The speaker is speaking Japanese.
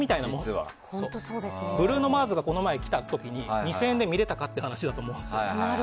ブルーノ・マーズがこの前来た時に２０００円で見れたかという話だと思うんです。